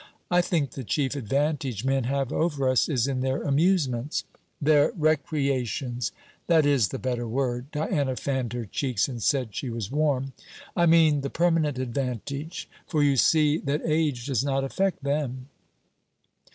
'I think the chief advantage men have over us is in their amusements.' 'Their recreations.' 'That is the better word.' Diana fanned her cheeks and said she was warm. 'I mean, the permanent advantage. For you see that age does not affect them.'